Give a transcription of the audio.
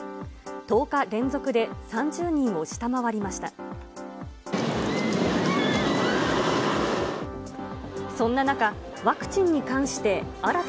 １０日連続で３０人を下回りました。